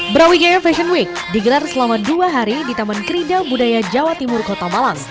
brawijaya fashion week digelar selama dua hari di taman kerida budaya jawa timur kota malang